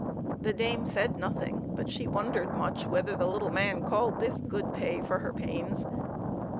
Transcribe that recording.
The dame said nothing, but she wondered much whether the little man called this good pay for her pains.